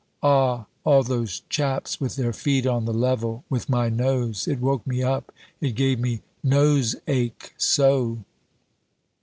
Ah, all those chaps with their feet on the level with my nose! It woke me up, it gave me nose ache so."